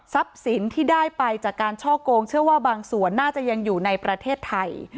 สินที่ได้ไปจากการช่อกงเชื่อว่าบางส่วนน่าจะยังอยู่ในประเทศไทย